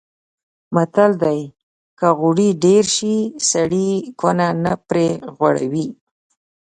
متل دی: که غوړي ډېر شي سړی کونه نه پرې غوړوي.